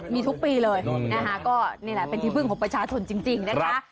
มีทุกปีเลยนะคะก็นี่แหละเป็นที่พึ่งของประชาชนจริงนะคะ